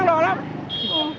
bà thương nó lắm